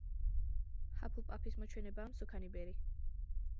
ჰაფლპაფის მოჩვენებაა მსუქანი ბერი.